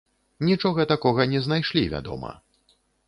Нічога такога не знайшлі, вядома.